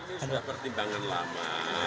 ini sudah pertimbangan lama